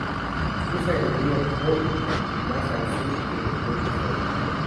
Cruza el río Foyle más al sur que el puente de Foyle.